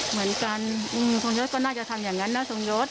เหมือนกันทรงยศก็น่าจะทำอย่างนั้นน่าทรงยศ